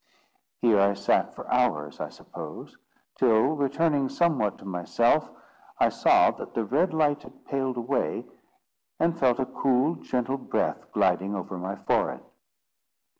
Here I sat for hours, I suppose; till, returning somewhat to myself, I saw that the red light had paled away, and felt a cool gentle breath gliding over my forehead.